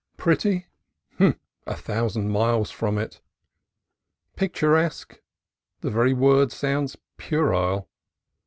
Pretty? a thousand miles from it. Picturesque? the very word sounds puerile.